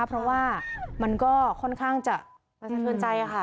เพราะว่ามันก็ค่อนข้างจะสะเทือนใจค่ะ